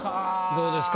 どうですか？